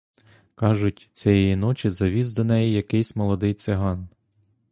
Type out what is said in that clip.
Кажуть, цієї ночі завіз до неї якийсь молодий циган.